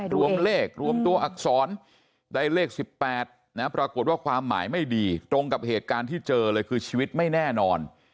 รวมเลขรวมตัวอักษรได้เลข๑๘ปรากฏว่าความหมายไม่ดีตรงกับเหตุการณ์ที่เจอเลยคือชีวิตไม่แน่นอน